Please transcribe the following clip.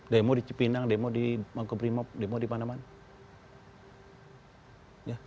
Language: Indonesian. demo di cipinang demo di mangkubrimob demo di mana mana